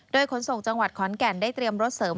โดยขนส่งจังหวัดขอนแก่นได้เตรียมรถเสริม